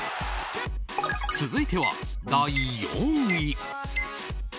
続いては第４位。